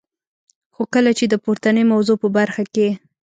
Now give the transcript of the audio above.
خو کله چي د پورتنی موضوع په برخه کي.